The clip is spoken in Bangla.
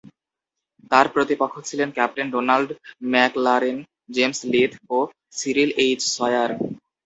তাঁর প্রতিপক্ষ ছিলেন captain Donald McLaren, James Leith ও সিরিল এইচ. সয়ার।